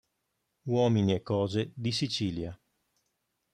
Uomini e cose di Sicilia".